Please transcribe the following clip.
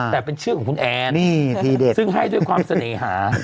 แต่เป็นชื่อของคุณแอนซึ่งให้ด้วยความเสน่หา